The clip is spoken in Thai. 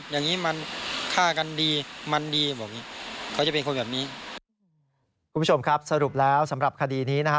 อย่างงี้มันฆ่ากันดีมันดีบอกอย่างงี้เขาจะเป็นคนแบบนี้คุณผู้ชมครับสรุปแล้วสำหรับคดีนี้นะฮะ